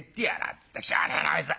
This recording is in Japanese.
ったくしゃあねえなあいつは。